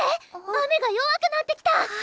雨が弱くなってきた！